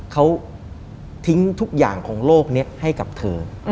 เขาทิ้งทุกอย่างของโลกนี้ให้กับเธอ